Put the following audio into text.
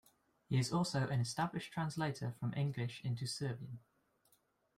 He is also an established translator from English into Serbian.